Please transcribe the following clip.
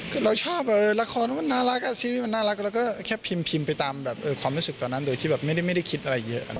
คือเราชอบละครมันน่ารักอาชีพนี้มันน่ารักแล้วก็แค่พิมพ์ไปตามความรู้สึกตอนนั้นโดยที่แบบไม่ได้คิดอะไรเยอะ